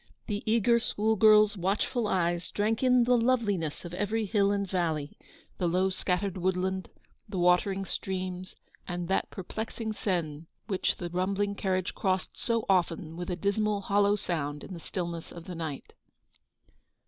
The eager school girl's watchful eyes drank in the loveliness of every hill and valley ; the low scattered woodland ; the watering streams; and that perplexing Seine, which the rumbling carriage crossed so often with a dismal hollow sound in the stillness of the night.